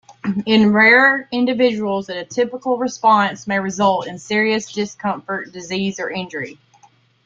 In rare individuals an atypical response may result in serious discomfort, disease, or injury.